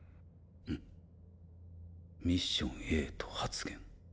ん「ミッションＡと発言」。